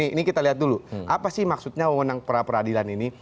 ini kita lihat dulu apa sih maksudnya wewenang pra peradilan ini